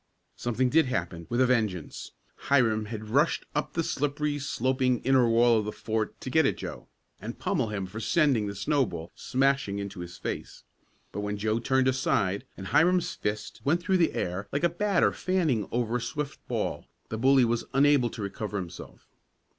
Something did happen with a vengeance. Hiram had rushed up the slippery, sloping, inner wall of the fort to get at Joe, and pummel him for sending the snowball smashing into his face, but when Joe turned aside, and Hiram's fist went through the air like a batter fanning over a swift ball, the bully was unable to recover himself.